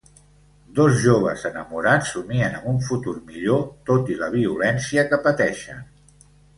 Dos joves enamorats somien amb un futur millor tot i la violència que pateixen.